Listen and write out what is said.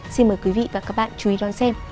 xin mời quý vị và các bạn chú ý đón xem